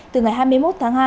từ ngày hai mươi một tháng hai